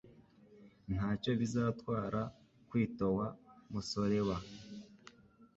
Ntacyo bizatwara kwitowa musoreba